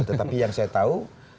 tetapi yang saya tahu